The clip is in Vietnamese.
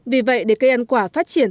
vì vậy để cây ăn quả phát triển